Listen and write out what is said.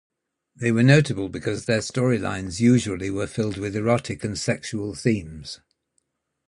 They were notable because their storylines usually were filled with erotic and sexual themes.